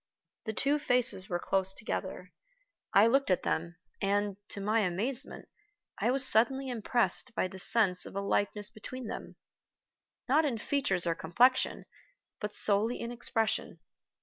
The two faces were close together; I looked at them, and, to my amazement, I was suddenly impressed by the sense of a likeness between them not in features or complexion, but solely in expression.